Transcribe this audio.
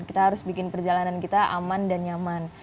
kita harus bikin perjalanan kita aman dan nyaman